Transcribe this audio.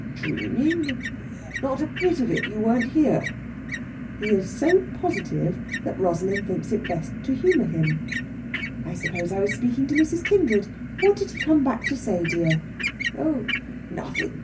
"Dreaming! Not a bit of it. You weren't here." He is so positive that Rosalind thinks best to humour him. "I suppose I was speaking to Mrs. Kindred. What did he come back to say, dear?" "Oh, nothing!